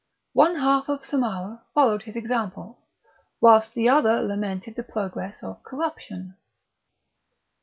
One half of Samarah followed his example, whilst the other lamented the progress of corruption.